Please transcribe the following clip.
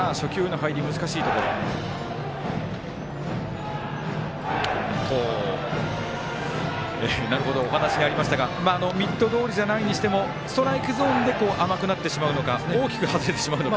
清水さんのお話がありましたがミットどおりじゃないにしてもストライクゾーンで甘くなってしまうのか大きく外れてしまうのか。